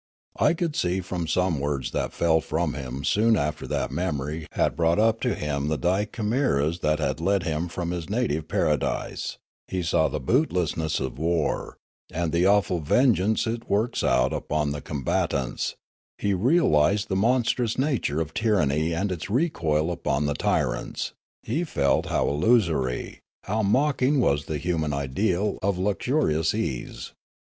I could see from some words that fell from him soon after that memory had brought up to him the dire chimeras that had led him from his native paradise; he saw the boot lessness of war, and the awful vengeance it works out upon the combatants; he realised the monstrous nature of tyranny and its recoil upon the tyrants; he felt how illusory, how mocking was the human ideal of lux Noola 401 *urious ease.